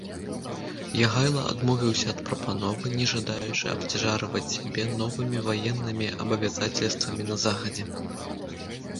Ягайла адмовіўся ад прапановы, не жадаючы абцяжарваць сябе новымі ваеннымі абавязацельствамі на захадзе.